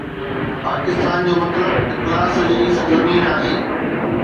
پاڪستان جو مطلب اخلاص جي سرزمين آهي